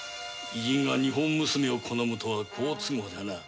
異人が日本娘を好むとは好都合だな。